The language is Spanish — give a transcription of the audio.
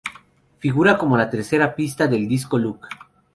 Figura como la tercera pista del disco Luke.